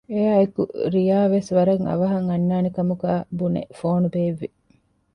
އެއާއެކު ރިޔާ ވެސް ވަރަށް އަވަހަށް އަންނާނެ ކަމުގައި ބުނެ ފޯނު ބޭއްވި